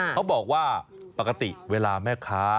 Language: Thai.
เขาบอกว่าปกติเวลาแม่ค้า